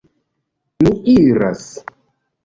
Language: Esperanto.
Mi iras!